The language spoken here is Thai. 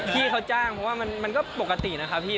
ที่เขาจ้างเพราะว่ามันก็ปกตินะครับพี่